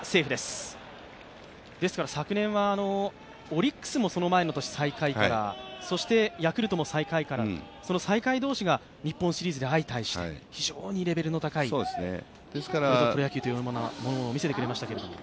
昨年はオリックスもその前の年最下位から、そしてヤクルトも最下位から、最下位同士が日本シリーズで相対して非常にレベルの高いものを見せてくれましたけど。